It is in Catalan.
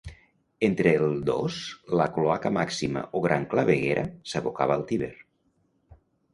Entre el dos, la Cloaca Maxima, o Gran claveguera, s'abocava al Tíber.